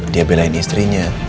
dia belain istrinya